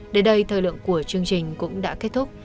đến đây thời lượng của chương trình cũng đã kết thúc